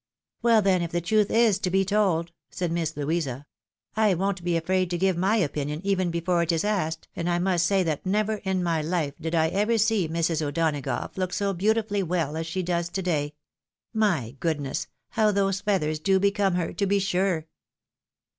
" Well, then, if the truth is to be told," said Miss Louisa, " I won't be afraid to give my opinion, even before it is asked, and I must say that never in my hfe did I ever see Mrs. O'Donagough look so beautifully well as she does to day. My goodness ! how those feathers do become her, to be sure